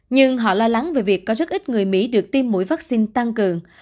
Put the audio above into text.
nhưng họ lo lắng về việc có rất ít người mỹ được tiêm mũi vaccine tăng cường